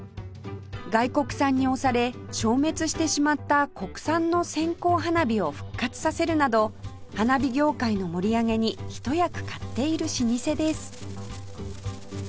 外国産に押され消滅してしまった国産の線香花火を復活させるなど花火業界の盛り上げにひと役買っている老舗です